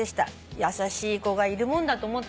優しい子がいるもんだと思ったんですけど。